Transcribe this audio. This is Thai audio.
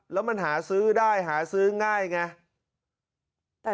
แล้วมันหาซื้อได้หาซื้อง่ายไง